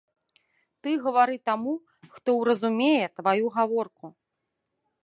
Ты гавары таму, хто ўразумее тваю гаворку.